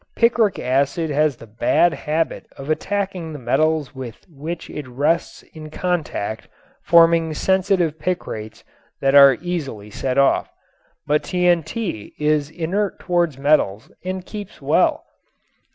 Picric acid has the bad habit of attacking the metals with which it rests in contact forming sensitive picrates that are easily set off, but TNT is inert toward metals and keeps well.